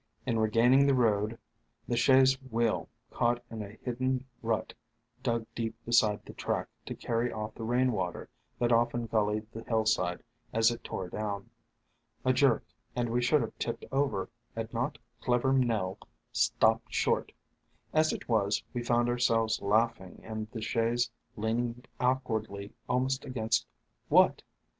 In regaining the road, the chaise wheel caught in a hidden rut dug deep beside the track to carry off the rain water that often gullied the hillside as it tore down. A jerk, and we should have tipped over had not clever Nell stopped short. As it was, we found ourselves laughing and the chaise leaning awkwardly almost against — what